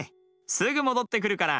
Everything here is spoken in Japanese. すぐもどってくるから。